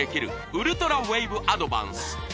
ウルトラウェーブアドバンス